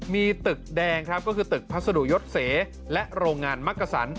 มีตึกแดงครับก็คือตึกพัสดุยศเสและโรงงานมักกะสัน